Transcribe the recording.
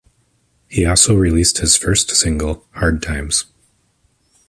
He also released his first single, "Hard Times".